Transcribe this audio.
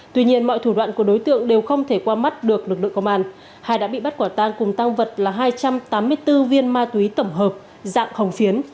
tuy nhiên mọi thủ đoạn của đối tượng đều không thể qua mắt được lực lượng công an hai đã bị bắt quả tang cùng tăng vật là hai trăm tám mươi bốn viên ma túy tổng hợp dạng hồng phiến